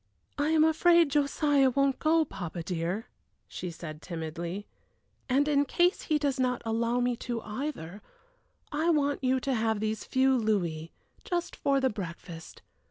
"I am afraid Josiah won't go, papa dear," she said, timidly; "and in case he does not allow me to either, I want you to have these few louis, just for the breakfast.